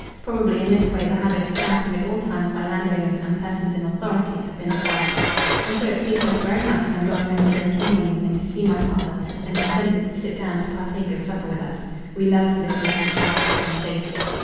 Probably in this way the habit of shouting at all times by landowners and persons in authority had been acquired. And so it pleased us very much when Don Ventura came one evening to see my father and consented to sit down to partake of supper with us. We loved to listen to his shouted conversation.